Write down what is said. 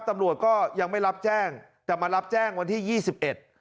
ตำรวจก็ยังไม่รับแจ้งแต่มารับแจ้งวันที่ยี่สิบเอ็ด